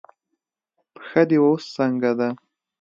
پښه دې اوس څنګه ده؟